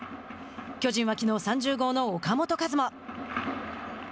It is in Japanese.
巨人はきのう３０号の岡本和真。